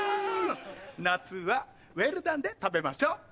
夏はウェルダンで食べましょ。